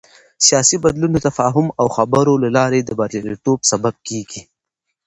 سیاسي بدلون د تفاهم او خبرو له لارې د بریالیتوب سبب کېږي